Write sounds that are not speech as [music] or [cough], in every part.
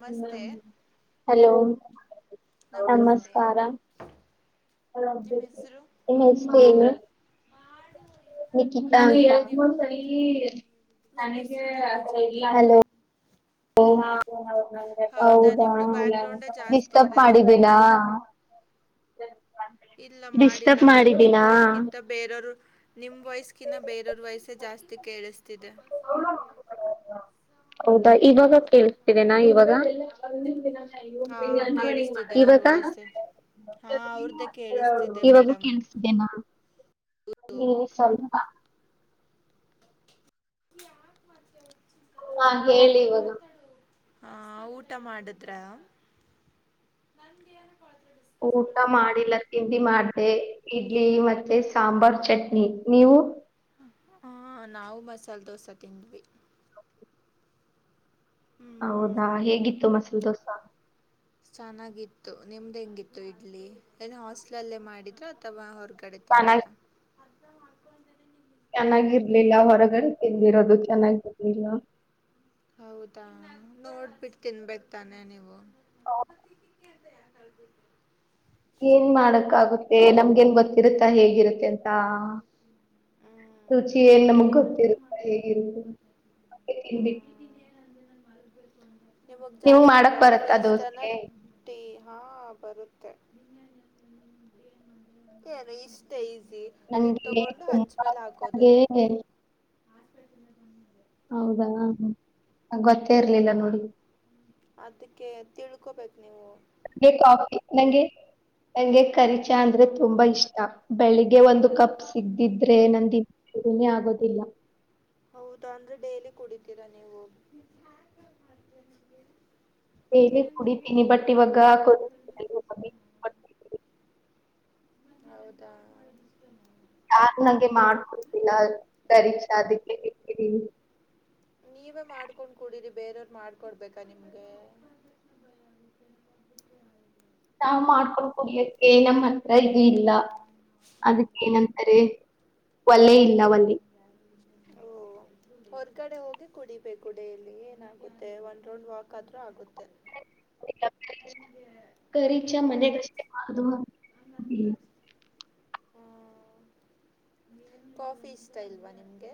ನಮಸ್ತೆ ಹಲೋ ನಮಸ್ತೆ ನಮಸ್ಕಾರ ನಿಮ್ಮ ಹೆಸರು ಹೆಸ್ರೇನು. ನಮ್ಮ ಬೇಕಿತಾ ಹೆಸರು ದಿವ್ ನಮ್ಮ ಅಂತ ಹೆಸರು ದಿವ್ಯ ಜ್ಯೋತಿ ಅಂತ ಹಲೋ. ಹೌದಾ ನಿಮ್ದು ಬ್ಯಾಕ್ ಗ್ರೌಂಡೇ ಜಾಸ್ತಿ ಡಿಸ್ಟರ್ಬ್ ಇದೆ ಮಾಡಿದಿನ. ದೆ ಇಲ್ಲ ಮಾಡಿಲ್ಲ ಬಟ್ ನಿಮ್ ವಯಸ್ಗಿಂತ ಬೇರವ್ರು. ನಿಮ್ ವಯ್ಸ್ಕಿಂತ ಬೇರೊರ್ ವೊಯ್ಸ್ಸೇ ಜಾಸ್ತಿ ಕೇಳ್ಸ್ ತಿದೆ ಹೌದಾ ಇವಾಗ ಕೇಳ್ಸತಿದೆನಾ ಇವಾಗ. ಹಾ ಕೇಳಿಸ್ತಿದೆ ಅವ್ರ ಇವಾಗ ವಾಯ್ಸೆ ಹಾ ಅವ್ರದ್ದೇ ಕೇಳಿಸ್ತಿದೆ ಇವಾಗ ಮೇಡಮ್ ಕೇಳುಸ್ತಿದ್ದೇನಾ ಇರಿ ಸ್ವಲ್ಪ. ಯಾಕ್ ಮಾಡ್ತ್ಯ ಅವ್ರ್ ಕೊವ ಹೇಳಿ ಇವಾಗ. ಹಾ ಊಟ ಮಾಡುದ್ರ. ಊಟ ಮಾಡಿಲ್ಲ ಕಿಂದಿ ಮಾಡ ಮತ್ತೆ ಇಡ್ಲಿ ಮತ್ತೆ ಸಾಂಬಾರ್ ಚಟ್ನಿ ನೀವು ಹಾ ನಾವು ಮಸಾಲೆ ದೋಸೆ ತಿಂದ್ವಿ ಹೌದಾ ಹ್ಮ್ ಹೇಗಿತ್ತು ಮಸರು ದೋಸೆ ಹ ಚೆನ್ನಾಗಿತ್ತು ನಿಮ್ದ್ ಹೆಂಗಿತ್ತು ಇಡ್ಲಿ ನ ಹಾಸ್ಲಲ್ಲೇ ಮಾಡಿದ್ರರು ಅಥವಾ ಹೊರ್ಗ ಕಡ ಚೆನ್ನಾಗಿ ತಿಂದದ ಚೆನ್ನಾಗಿರ್ಲಿಲ್ಲ ಹೊರಗಡೆ ತಿಂದಿರೋದು ಚೆನ್ನಾಗಿರ್ಲಿಲ್ಲ ಹೌದಾ ನೋಡ್ಬಿಟ್ಟ ತಿನ್ಬೇಕ ತಾನೆ ನೀವು ಹ ಏನ್ ಮಾಡಕ್ ಆಗುತ್ತೆ ನಮ್ಗ ನ್ ಗೊತ್ತಿರುತ್ತ ಹೇಗಿರುತ್ತೆ ಅಂತ ರುಚಿ ಏನ್ ನಮಗ ಹೇಗಿ ತಿಬಿಟ್ಟ ಇವಾಗ ಜಾಸ್ತಿ ಕ ಬರತ್ತಾ ಫೇಸ್ ದೋಸೆ? ಹಾ ಬರುತ್ತೆ ಏನು ಇಷ್ಟೇ ಈ ನಂಗೆು ಹೌದಾ ಗೊತ್ತೇ ಇರ್ಲಿಲ್ಲ ನೋಡಿ ಅದಕ್ಕೆ ತಿಳ್ಕೋಬೇಕು ನೀವು ನಂಗೆ ಕಾಫಿ ನಂಗೆ ನಂಗೆ ಕಖರಿಚಾ ಅಂದ್ರೆ ತುಂಬಾ ಇಷ್ಟ ಬೆಳಿಗ್ಗೆ ಒಂದು ಕಪ್ ಸಿಗ್ದಿದ್ದು ಆದ್ರೆ ನ [unintelligible] ಮೆ ಆಗೋದಿಲ್ಲ ಹೌದಾ ಅಂದ್ರೆ ಡೈಲಿ ಕುಡಿತೀರಾ ನೀವು ಡೈಲಿ ಕುಡಿತೀನಿ ಬಟ್ಟಿ ಇವಾಗ ಕೊ ಹೌದಾ ಯಾರು ನಂಗೆ ಮಾಡ್ಕೊಡ್ತಿಲ್ಲ ಪರೀಕ್ಷಾದಕ್ಕೆಟ್ಟಿದ್ದೀನಿ ನೀವೇ ಮಾಡ್ಕೊಂಡ್ ಕುಡೀರಿ ಬೇರೆಯವ್ರ ಮಾಡ್ಕೊಡ್ಬೇಕಾ ನಿಮ್ಗೆ ನಾವ್ ಮಾಡ್ಕೊಂಡು ಕುಡಿಯಕ್ಕೆ ಏನಮ್ಮ ಹತ್ರ ಇದು ಇಲ್ಲ ಅದಕ್ಕ ಏನಂತಾರೆ ಒಲೇ ಇಲ್ಲವಲ್ಲಿ ಓ ಹೊರ್ಗಡೆ ಹೋಗಿ ಕುಡಿಬೇಕ ಗುಡಲ್ಲಿ ಏನಾಗುತ್ತೆ ಒಂದ್ ರೋಡ್ ವಾಕ್ ಆದ್ರೂ ಆಗುತ್ತೆ ಕ ಮನೆ ಕ ಹ್ಮ್ ಕಾಫಿ ಇಷ್ಟ ಇಲ್ವಾ ನಿಮ್ಗೆ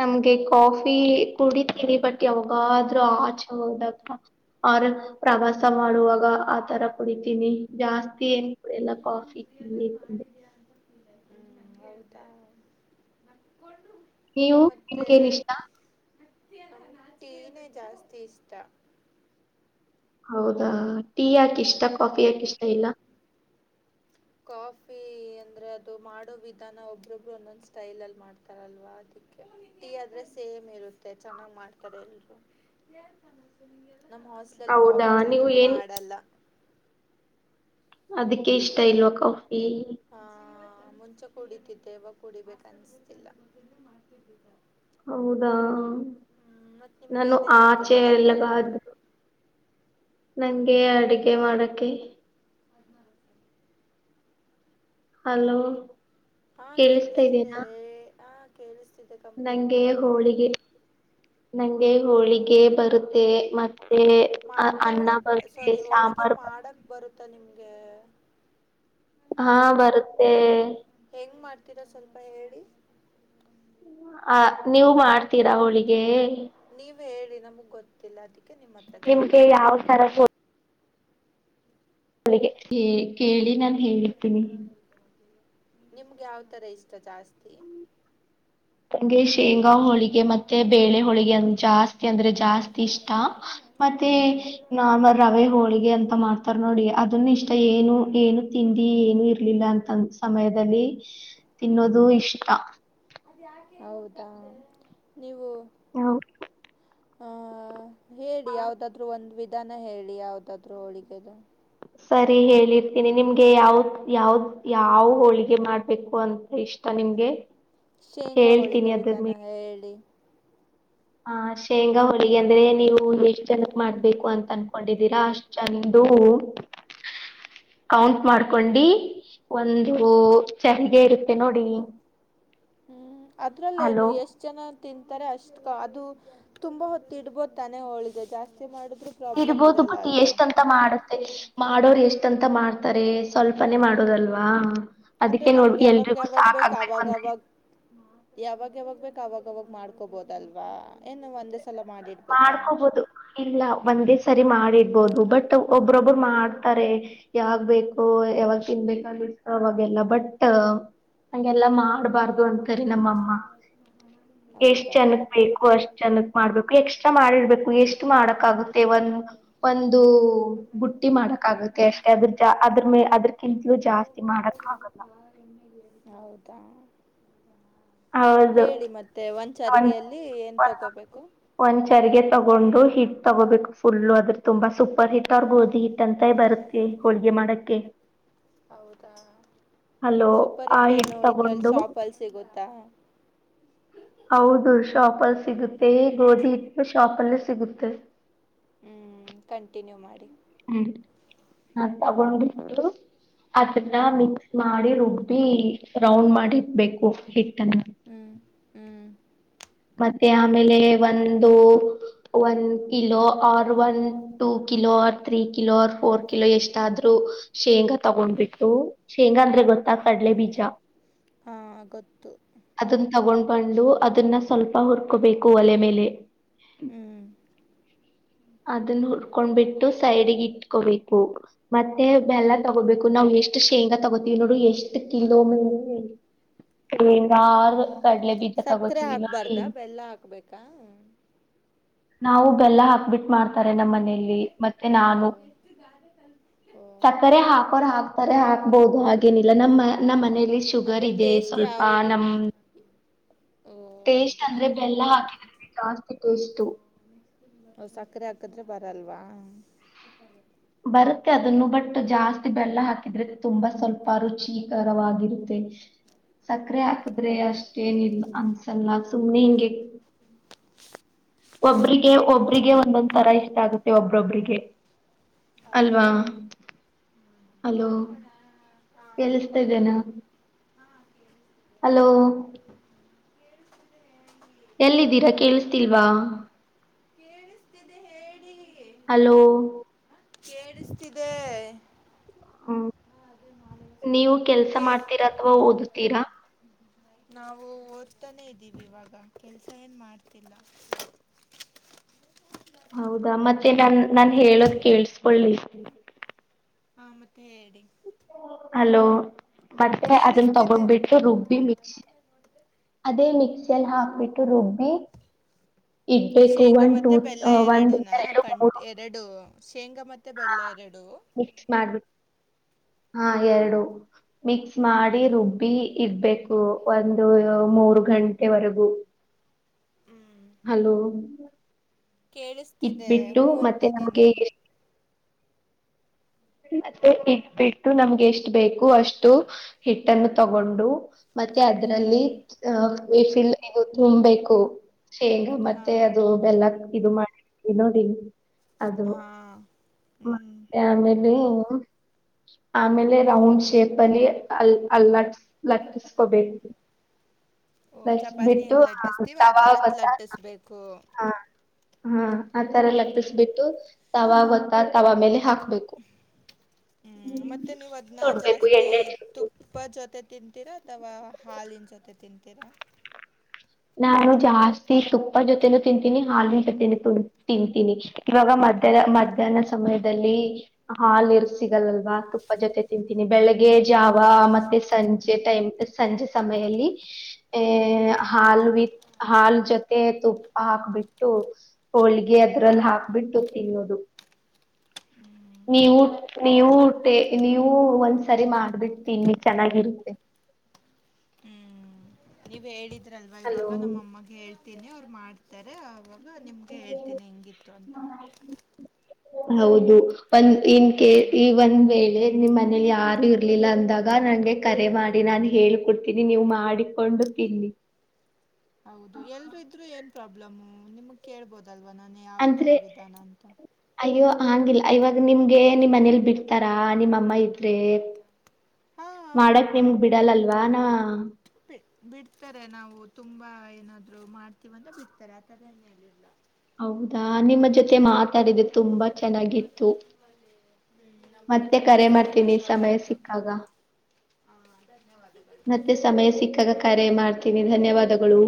ನಮ್ಗೆ ಕಾಫಿ ಕುಡಿತೀನಿ ಬಟ್ ಯಾವಾಗಾದ್ರು ಆಚೆ ಹೋದಾಗ ಅವ್ರ ಪ್ರವಾಸ ಮಾಡುವಾಗ ಆತರ ಕುಡಿತೀನಿ ಜಾಸ್ತಿ ಏನ್ ಅಲ್ಲ ಕಾಫಿ ಟೀ ಹ್ಮ ಎತಾ ನೀವು ನಿಮಗೇನ್ ಇಷ್ಟ ಟೀನೇ ಜಾಸ್ತಿ ಇಷ್ಟ ಹೌದಾ ಟೀ ಯಾಕ ಇಷ್ಟ ಹ್ಮ್ ಕಾಫಿ ಯಾಕ ಇಷ್ಟ ಇಲ್ಲ ಕಾಫಿ ಅಂದ್ರೆ ಅದು ಮಾಡೋ ವಿಧಾನ ಒಬ್ರೊಬ್ರು ಒಂದೊಂದ್ ಸ್ಟೈಲ್ ಅಲ್ಲಿ ಮಾಡ್ತಾರಲ್ವಾ ಅದಕ್ಕೆ ಟೀ ಆದ್ರೆ ಸೇಮ್ ಇರುತ್ತೆ ಚೆನ್ನಾಗ್ ಮಾಡ್ತಾರೆ ಎಲ್ರು ನಮ್ ಹೋಸ್ಟ್ಲಲ್ ಹೌದಾ ಕಾಫಿ ನೀವು ಚೆನ್ನಾಗ್ ಏನ್ ಮಾಡಲ್ಲ. ಅದಿಕ್ ಇಷ್ಟ ಇಲ್ವಾ ಕಾಫಿ. ಆ ಮುಂಚೆ ಕುಡಿತಿದ್ದೆ ಇವಾಗ್ ಕುಡಿಬೇಕ್ ಅನ್ನುಸ್ತಿಲ್ಲ. ಹೌದಾ ಮತ್ ನಿಮ್ಗೆ ನಾನು ಏನೇನ್ ಅಡ್ಗೆ ಆಚೆ ಮಾಡಕ್ ಎಲ್ಲಗಾದ್. ಬರುತ್ತೆ ನನ್ಗೆ ಅಡುಗೆ ಮಾಡಕೆ. ಅದ್ನ ಒಂದ್ಸಲಿ. ಹಲೋ ಹಾ ಕೇಳಿಸ್ತಾ ಕೇಳಿಸ್ತಿದೆ ಇದೀನಾ ಏ ಹ. ನಂಗೆ ಹೋಳಿಗೆ ನಂಗ್ ಗೆ ಹೋಳಿಗೆ ಬರುತ್ತೆ ಮತ್ತೆ. ಅ ಅನ್ನ ಮಾತಾಡಕ್ ಬರುತ್ತೆ ಸೊರಿ ಹೋಳಿಗೆ ಸಾಂಬಾರ್ ಬ- ಮಾಡಕ್ ಬರುತ್ತ ನಿಮ್ ಹಾ ಬರುತ್ತೆ. ಹತ್ತಿರ ಸ್ವಲ್ಪ ಹೇಳಿ. ಆ ನೀವ್ ಮಾಡ್ತೀರಾ ಹೋಳಿಗೆ. ನೀವ್ ನೀವೇ ಹೇಳಿ ನಮ್ಗ್ ಗೊತ್ತಿಲ್ಲ ಅದ್ ನಿಮ್ಗೆ ಯಾವ್ ತರ ಫೋ ಳಿಗೆ ಏ ಕೇಳಿ ನಾನ್ ಹೇಳ್ತಿನಿ. ನಿಮ್ಗ್ ಯಾವ್ ತರ ಇಷ್ಟ ಜಾಸ್ತಿ. ನಂಗೆ ಶೇಂಗಾ ಹೋಳಿಗೆ ಮತ್ತೆ ಬೇಳೆ ಹೋಳಿಗೆ ಅಂ ಜಾಸ್ತಿ ಅಂದ್ರೆ ಜಾಸ್ತಿ ಇಷ್ಟ ಮತ್ತೆ ನಾರ್ಮಲ್ ರವೆ ಹೋಳಿಗೆ ಅಂತ ಮಾಡ್ತಾರ್ ನೋಡಿ ಅದನ್ನು ಇಷ್ ತ ಏನು ಏನು ತಿಂಡಿ ಏನು ಇರ್ಲಿಲ್ಲ ಅಂತಂದ್ ಸಮಯದಲ್ಲಿ ತಿನ್ನೋದು ಇಷ್ಟ. ಹೌದಾ ನೀವು. ಹು ಆ ಹೇಳಿ ಯಾವ್ದಾದ್ರು ಒಂದ್ ವಿದ್ ಇದಾನ ಹೇಳಿ ಯಾವುದಾದರೂ ಹೋಳಿಗೆದು ಸರಿ ಹೇಳಿರ್ತೀನಿ ನಿಮ್ಗೆ ಯಾವ್ದ ಯಾವ್ದ್ ಯಾವ ಹೋಳಿಗೆ ಮಾಡ್ಬೇಕು ಅಂತ ಇಷ್ಟ ನಿಮ್ಗೆ. ಶೇಂಗಾ ಹೇಳ್ತೀನಿ ಹೋಳಿಗೆ ವಿಧಾನ ಹೇಳಿ. ಹ ಶೇಂಗಾ ಹೋಳಿಗೆ ಅಂದ್ರೆ ನೀವು ಎಷ್ಟ್ ಜನಕ್ ಮಾಡ್ಬೇಕು ಅಂತ ಅನ್ಕೊಂಡಿದೀರಾ ಅಷ್ಟ್ ಜನದು ಕೌಂಟ್ ಮಾಡ್ಕೊಂಡು ಒಂದು ಚರಿಗೆ ಇರುತ್ತೆ ನೋಡಿ. ಹ್ಮ್ ಅದ್ರಲ್ಲೇನು ಹಲೋ ಎಷ್ಟ್ ಜನ ತಿಂತಾರೆ ಅಷ್ಟ ಅದು ತುಂಬಾ ಹೊತ್ತ ಇಡ್ಬೋದು ತಾನೆ ಹೋಳಿಗೆ ಜಾಸ್ತಿ ಮಾಡಿದ್ರು ಪ್ರಾಬ್ಲಮ್ ಇಡ್ಬೋದು ಇರಲ್ಲ ಬಟ್ ಅಲ್ವಾ ಎಷ್ಟ ಅಂತ ಮಾಡುತ್ತೆ ಮಾಡೋರ್ ಎಷ್ಟು- ಎಷ್ಟ್ ಅಂತ ಮಾಡ್ತಾರೆ ಸ್ವಲ್ಪನೆೇ ಮಾಡೋುದಲ್ವಾ. ಅಂದ್ರೆ ನಮ್ಗೆ ಯಾವಾಗ ಯಾವಾಗ್ ಬೇಕ ಅಂದ್ರೆ ಅವಾಗವಾಗ ಯಾವಾಗ ಯಾವಾಗ ಬೇಕು ಅವಾಗಾವಾಗ ಮಾಡ್ಕೊಬೋದಲ್ವಾ. ಮಾಡ್ಕೋಬೋದು ಇಲ್ಲ ಒಂದೇ ಸರಿ ಮಾಡಿ ಇಬಹದು ಬಟ್ ಒಬ್ರೊಬ್ರು ಮಾಡ್ತಾರೆ ಯಾವಾಗ್ ಬೇಕ್ ಓ ಯಾವಾಗ ತಿನ್ಬೇಕು ಅಂಬಿಟ್ಟು ಅವಾಗೆಲ್ಲ ಬಟ್ ಹಾಗೆಲ್ಲ ಮಾಡಬಾರ್ದು ಅಂತಾರೆ ನಮ್ಮಮ್ಮ ಎಷ್ಟ ಹೌದಾ ಜನಕ್ ಬೇಕು ಅಷ್ಟ. ಚೆನ್ನಕ್ ಮಾಡ್ಬೇಕು ಎಕ್ಸ್ಟ್ರಾ ಮಾಡಿರ್ಬೇಕು ಎಷ್ಟ್ ಮಾಡಕ್ ಆಾಗುತ್ತೆ ಒಂದ ಒಂದು ಬುಟ್ಟಿ ಮಾಡಕ್ಕಾಗುತ್ತೆಅಷ್ಟೇ ಅದ್ರ ಜ ಅದ್ರ ಮೇ ಅದ್ರಕಿಂತಲೂ ಜಾಸ್ತಿ ಮಾಡಕ್ ಆಗಲ್ಲ. ಹೌದಾ. ಹೌದು ಹೇಳಿ ಮತ್ತೆ ಒಂದ್ ಚರ್ಗಿಅಲ್ಲಿ ಏನ್ ಒಂದು ತಗೋಬೇಕು. ಒಂದ್ ಚರಿಗೆ ತಗೊಂಡು ಹಿಟ್ ತಗೋಬೇಕು ಫುಲ್ ಅದ್ರು ತುಂಬಾ ಸೂಪರ್ ಹಿಟ್ ಓರ್ ಗೋದಿ ಹಿಟ್ ಅಂತ ಬರುತ್ತೆ ಹೋಳಿಗೆ ಮಾಡಕ್ಕೆ ಹೌದಾ ಅಲೋ ಆ ಹಿಟ್ ತಗೊಂಡು ತ್ತ ಹೌದು ಶಾಪ ಅಲ್ಲಿ ಸಿಗುತ್ತೆ ಈ ಗೋಧಿ ಹಿಟ್ಟು ಶಾಪಲ್ಲ ಸಿಗುತ್ತೆ. ಹ್ಮ್ ಕಂಟಿನ್ಯೂ ಮಾಡಿ ಹ್ಮ ತಗೊಂಡ್ ಬಿಟ್ಟು ಅದನ್ನ ಮಿಕ್ಸ್ ಮಾಡಿ ರುಬ್ಬಿ ರೌಂಡ್ ಮಾಡಿ ಇಟ್ಬೇಕು. ಹಿಟ್ಟನ್ನ. ಹ್ಞೂ ಹ್ಞೂ ಮತ್ತೆ ಆಮೇಲೆ ಒಂದು ಒಂದ kilo or one two kilo or three kilo or four kilo ಎಷ್ಟಾದ್ರೂ ಶೇಂಗಾ ತಗೊಂಡ್ಬಿಟ್ಟು ಶೇಂಗ ಅಂದ್ರೆ ಗೊತ್ತಾ ಹ್ಞೂ ಕಡಲೆ ಬೀಜ ಹಾಂ ಗೊತ್ತು ಅದನ್ನ ತಗೊಂಡು ಡು ಅದನ್ನ ಸ್ವಲ್ಪ ಹುರ್ಕೋಬೇಕು ಒಲೆ ಮೇಲೆ. ಹ್ಞೂ ಅದನ್ನು ಹುರ್ಕೊಂಡ್ ಬಿಟ್ಟು ಸೈಡ್ಗೆ ಇಟ್ಕೋಬೇಕು ಮತ್ತೆ ಹ್ಞೂ ಬೆಲ್ಲ ತಗೋಬೇಕು ನಾವ್ ಎಷ್ಟ ಎಷ್ಟು ಶೇಂಗಾ ತಗೋತೀವಿ ನೋಡು ಎಷ್ಟು ಕಿಲೋ ಮೇಲೆ [unintelligible] ಕಡಲೆ ಬೀಜ ತೊಗೊತಿವಿ ಅರ್ದ ಬೆಲ್ಲ ಹಾಕ್ಬೇಕಾ ನಾವು ಬೆಲ್ಲ ಹಾಕ್ಬಿಟ್ಟು ಮಾಡ್ತಾರೆ ನಮ್ಮನೆ ನೆಯಲ್ಲಿ ಮತ್ತೆ ಓ ನಾನು ಓ ಸಕ್ಕರೆ ಹಾಕೋರ್ ಹಾಕ್ತಾರೆ ಹಾಕ್ಬೋದು ಹಾಗೇನಿಲ್ಲ ನಮ್ಮ ನಮ್ಮ ಮನೆಯಲ್ಲಿ ಶುಗರ್ ಅಂದ್ರೆ ಇದೆ ಟೇಸ್ಟ್ ಸ್ವಲ್ಪ ಯಾವುದು ನಮ ಓ ಟೇಸ್ಟ್ ಅದಕ್ಕೆ ಅಂದ್ರೆ ಬೆಲ್ಲ ನೀವು ಹಾಕಿದ್ರ ಜಾಸ್ತಿ ಟೇಸ್ಟ್ ಸಕ್ಕರೆ ಹಾಕಿದ್ರೆ ಬರಲ್ವಾ ಬರುತ್ತೆ ಅದನ್ನು ಬಟ್ ಜಾಸ್ತಿ ಬೆಲ್ಲ ಹಾಕಿದ್ರೆ ತುಂಬಾ ಸ್ವಲ್ಪ ರುಚಿಕರವಾಗಿರುತ್ತೆ ಸಕ್ಕರೆ ಹಾಕದ್ರೆ ಹ ಅಷ್ಟೇನಿಲ್ಲ ಅನ್ಸಲ್ಲ ಸುಮ್ನೆ ಹಂಗೆ ಒಬ್ರಿಗೆ ಒಬ್ರಿಗೆ ಒಂದೊಂದ್ ತರ ಇಷ್ಟ ಆಗುತ್ತೆ ಒಬ್ಬ್ರೊಬ್ಬಿಗೆ ಅಲ್ವಾ ಅಲೋ ಕೆಳಸ್ತಾ ಇದ್ದೇನಾ ಅಲೋ ಎಲ್ಲಿದ್ದೀರಾ ಕೇಳಸ್ತಿಲ್ವಾ ಕೇಳಿಸ್ತಿದೆ ಹೇಳಿ ಹಲೋ ಕೇಳಿಸ್ತಿದೆ ಹ್ಮ್ ನೀವು ಕೆಲ್ಸ ಕೆ ಮಾಡ್ತೀರಾ ಅಥವಾ ಓದತೀರಾ ನಾವು ಓದತಾನೇ ಇದ್ದೀವಿ ಇವಾಗ ಕೆಲ್ಸ ಏನ್ ಮಾಡ್ತಿಲ್ಲ ಹೌದಾ ಮತ್ತೆ ನಾನ್ ನಾನ್ ಹೇಳೋದ ಕೇಳ್ಸ್ಕೊಳ್ಳಿ ಹಾ ಮತ್ತೆ ಹೇಳಿ ಹಲೋ ಮತ್ತೆ ಅದನ್ನ ಕೇಳಿಸ್ತಿದೆ ತಗೊಂಡ್ಬಿಟ್ಟು ರುಬ್ಬಿ ಮಿಕ್ಸಿ ಅದೇ ಮಿಕ್ಸಿಯಲ್ಲಿ ಹಾಕ್ಬಿಟ್ಟು ರುಬ್ಬಿ ಇಡ್ಬೇಕು ಶೇಂಗಾ ಒಂದ್ ಮತ್ತೆ ಬೆಲ್ಲ ಆ ಒಂದ್ ಎರಡುನಾ ಎರಡು ಕಂ ಮೂರು ಎರಡು ಶೇಂಗಾ ಮತ್ತೆ ಹಾ ಬೆಲ್ಲ ಎರಡು ಮಾಡ್ಬಿಟ್ಟು ಹಾ ಎರಡು ಮಿಕ್ಸ್ ಮಾಡಿ ರುಬಿ ಇರ್ಬೇಕು ಒಂದು ಮೂರು ಗಂಟೆ ವರೆಗೂ ಹ್ಮ್ ಹಲೋ ಕೇಳಿಸ್ತಿದೆ ಹು ಅಂತಿದ್ದೀನಿ ನಮ್ಗೆ ಮತ್ತೆ ಇಟ್ಬಿಟ್ಟು ನಮ್ಗೆ ಎಷ್ಟು ಬೇಕು ಅಷ್ಟು ಹಿಟ್ಟನ್ನು ತಗೊಂಡು ಮತ್ತೆ ಅದರಲ್ಲಿ ಹ್ಮ್ ಅಹ [unintelligible] ಇದು ತುಂಬ್ಬೇಕು ಶೇಂಗಾ ಹಾ ಮತ್ತೆ ಅದು ಬೆಲ್ಲ ಇದು ಮಾಡವಿ ನೋಡಿ ಅದು ಹಾ ಹ್ಮ್ ಮತ್ತೆ ಆಮೇ ಆಮೇಲೆ ರೌಂಡ್ ಶೇಪ್ ಅಲ್ಲಿ ಅ ಅಟ್ ಲಟ್ಟಿಸಕೋಬೇಕು ಓಹ ಚಪಾತಿ ಹೆಂಗ್ ಲಟ್ಟಿಸ್ತೀವ ತವಾ ಆತರದ ಗೊತ್ತಾ ಲಟ್ಟಿಸ್ಬೇಕು ಹಾ ಹಾ ಆ ತರ ಹ್ಮ್ ಲಟ್ಟಿಸಬಿಟ್ಟು ತವಾ ಗೊತ್ತಾ ಹಾ ತವಾ ಮೇಲೆ ಹಾಕ್ಬೇಕು ಹ್ಮ್ ಮತ್ತೆ ನೀವ್ ಅದ್ನ್ನ ಸುಡ್ಬೇಕು ಜಾಸ್ತಿ ಎಣ್ಣೆ ಹಚ್ಬಿಟ್ಟು. ತುಪ್ಪ ಜೊತೆ ತಿಂತೀರಾ ಅಥವಾ ಹಾಲಿನ ಜೊತೆ ತಿಂತೀರಾ ನಾನು ಜಾಸ್ತಿ ತುಪ್ಪ ಜೊತೆನೂ ತಿಂತೀನಿ ಹಾಲಿನ ಜೊತೆನು ತಿಂತೀನಿ ಬಾಗ ಮಧ್ಯ ಮಧಹ್ನ [unintelligible] ಸಮಯದಲ್ಲಿ ಹಾಲ ಇರ್ ಸಿಗಲ್ಲಲ್ವಾ ತುಪ್ಪ ಜೊತೆ ತಿಂತೀನಿ ಬೆಳಗ್ಗೆ ಜಾವ ಮತ್ತೆ ಸಂಜೆ ಟೈಮ್ ಸಂಜೆ ಸಮಯದಲ್ಲಿ ಅ ಹಾಲ್ ವಿ ಹಾಲ್ ಜೊತೆ ತುಪ್ಪ ಹಾಕ್ಬಿಟ್ಟು ಹೋಳಿಗೆ ಅದ್ರಲ್ಲಿ ಹಾಕ್ಬಿಟ್ಟು ತಿನ್ನೋದು ನೀವು ನೀವು ಟ್ಟೆ ನೀವು ಒಂದ್ಸರಿ ಮಾಡ್ಬಿಟ್ಟ ತಿನ್ನಿ ಚೆನ್ನಾಗಿರುತ್ತೆ ನೀವು ಹೇಳಿದ್ದ ಇದ್ರಲ್ವ ಹಲೋ ಇವಾಗ ನಮ್ಮ ಅಮ್ಮಗೆ ಹೇಳ್ತೀನಿ ಮಾಡ್ತಾರೆ ಅದ ಆವಾಗ ನಿಮ್ಗೆ ಹೇಳ್ತೀನಿ ಹೆಂಗಿತ್ತು ಅಂತ ಹೌದು ಒಂದ್ ಇನ್ ಕೇಸ್ ಈ ಒಂದ್ ವೇಳೆ ನಿಮ್ ಮನೇಲಿ ಯಾರು ಇರ್ಲಿಲ್ಲ ಅಂದಾಗ ನಂಗೆ ಕರೆ ಮಾಡಿ ನಾನ್ ಹೇಕೊಡ್ತೀನಿ ನೀವು ಮಾಡಿಕೊಂಡು ತಿನ್ನಿ ಹೌದು ಎಲ್ರು ಇದ್ರು ಏನ್ ಪ್ರಾಬ್ಲಮು ನಿಮಗ್ ಕೇಳ್ಬೋದು ಲ್ವನಾನೇ ಯಾವ ಅಂದ್ರೆ ತರ ವಿಧಾನ ಅಂತ ಅಯ್ಯೋ ಹಂಗಿಲ್ಲ ಇವಾಗ ನಿಮ್ಗೆ ನಿಮ್ ಮನೇಲಿ ಬಿಡ್ತಾರ ನಿಮ್ಮಮ್ಮ ಇದ್ರೆ ಹಾ ಮಾಡಕ್ ನಿಮ್ಗೆ ಬಿಡಲ್ಲಲ್ವಾ ನ ಬಿ ಬಿಡ್ತಾರೆ ನಾವು ತುಂಬಾ ಏನಾದ್ರು ಮಾಡ್ತೀವಂತ ಬಿಡ್ತಾರೆ ಆಥದಿಲ್ಲ ಹೌದಾ ನಿಮ್ಮ ಜೊತೆ ಮಾತಾಡಿದೆ ತುಂಬಾ ಚೆನ್ನಾಗಿತ್ತು ಹ್ಮ್ ನಮಗೂ ಮತ್ತೆ ತುಂಬಾ ಕರೆ ಮಾಡ್ತೀನಿ ಸಮಯ ಸಂತೋಷವಾಯ್ತು ಸಿಕ್ಕಾಗ ಹಾ ಧನ್ಯವಾದಗಳು ಮತ್ತೆ ಸಮಯ ಸಿಕ್ಕಾಗ ಕರೆ ಮಾಡ್ತೀನಿ ಧನ್ಯವಾದಗಳು